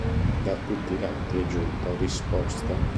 Da tutti i lati è giunta risposta.